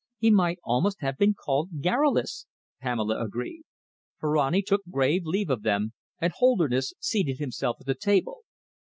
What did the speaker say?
"He might almost have been called garrulous," Pamela agreed. Ferrani took grave leave of them, and Holderness seated himself at the table.